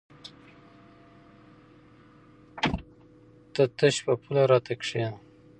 ته تش په پوله راته کېنه!